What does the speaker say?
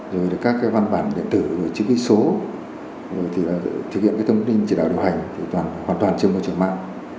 rồi các văn bản điện tử chữ ghi số thực hiện thông tin chỉ đảo điều hành hoàn toàn trên môi trường mạng